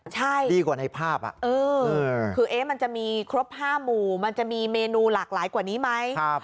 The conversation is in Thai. ใช่คือเอ๊ะมันจะมีครบ๕หมู่มันจะมีเมนูหลากหลายกว่านี้ไหมครับ